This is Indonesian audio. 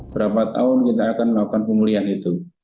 berapa tahun kita akan melakukan pemulihan itu